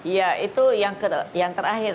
ya itu yang terakhir